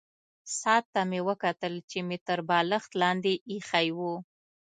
ساعت ته مې وکتل چې مې تر بالښت لاندې ایښی وو.